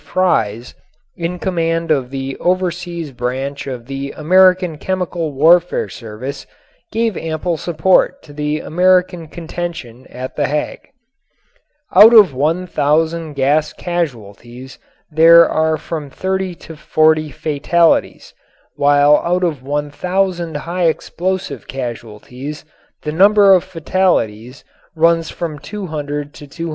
Fries, in command of the overseas branch of the American Chemical Warfare Service, give ample support to the American contention at The Hague: Out of 1000 gas casualties there are from 30 to 40 fatalities, while out of 1000 high explosive casualties the number of fatalities run from 200 to 250.